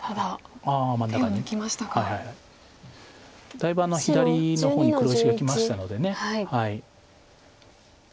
だいぶ左の方に黒石がきましたので。